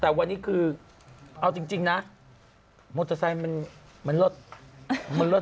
แต่วันนี้คือเอาจริงนะมอเตอร์ไซค์มันรถมันลด